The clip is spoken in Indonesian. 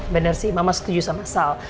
benar sih mama setuju sama sal